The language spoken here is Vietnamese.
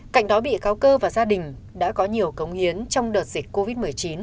cạnh đó bị cáo cơ và gia đình đã có nhiều cống hiến trong đợt dịch covid một mươi chín